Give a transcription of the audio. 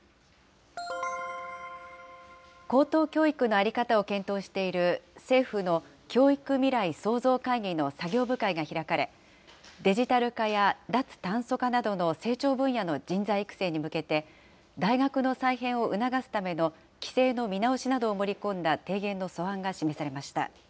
高等教育の在り方を検討している、政府の教育未来創造会議の作業部会が開かれ、デジタル化や脱炭素化などの成長分野の人材育成に向けて、大学の再編を促すための規制の見直しなどを盛り込んだ提言の素案